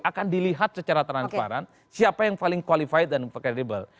akan dilihat secara transparan siapa yang paling qualified dan kredibel